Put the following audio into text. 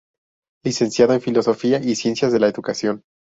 Licenciado en Filosofía y Ciencias de la Educación.